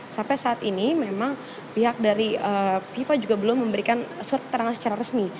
sampai saat ini memang pihak dari fifa juga belum memberikan surat keterangan secara resmi